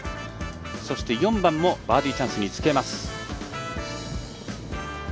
そして４番もバーディーチャンスにつけます。